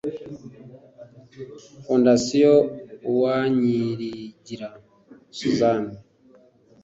Fondation Uwanyiligira Suzanne